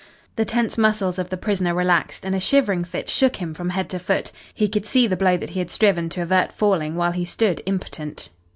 The tense muscles of the prisoner relaxed and a shivering fit shook him from head to foot. He could see the blow that he had striven to avert falling while he stood impotent.